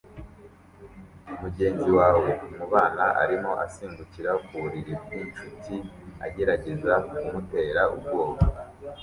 Mugenzi wawe mubana arimo asimbukira ku buriri bwinshuti agerageza kumutera ubwoba